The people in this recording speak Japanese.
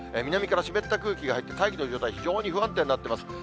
南から湿った空気が入って、大気の状態が非常に不安定になっています。